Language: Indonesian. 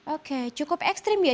oke cukup ekstrim ya